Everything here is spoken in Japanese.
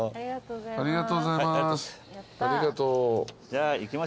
ありがとうございます。